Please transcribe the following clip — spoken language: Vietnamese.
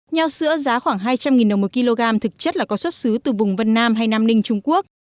nho sữa giá khoảng hai trăm linh đồng một kg thực chất là có xuất xứ từ vùng vân nam hay nam ninh trung quốc